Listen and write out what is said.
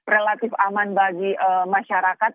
relatif aman bagi masyarakat